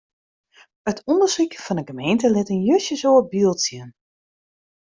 It ûndersyk fan 'e gemeente lit in justjes oar byld sjen.